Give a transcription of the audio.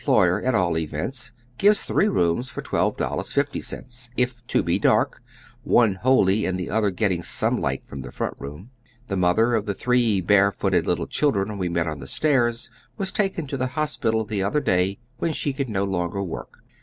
ployer at all events gives three rooma for $12.50, if two be dark, one wliolly and the other getting some light from the front room. The mother of the three bare footed little children we met on the stairs was taken to the hos pital the other day when she could no longer work.